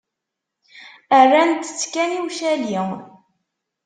Rrant-tt kan i ucali.